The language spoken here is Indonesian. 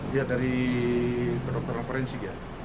dia dari dokter forensik ya